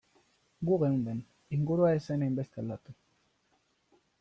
Gu geunden, ingurua ez zen hainbeste aldatu.